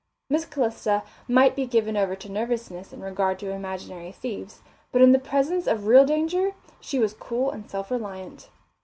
Miss Calista might be given over to nervousness in regard to imaginary thieves, but in the presence of real danger she was cool and self reliant.